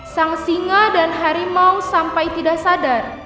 sang singa dan harimau sampai tidak sadar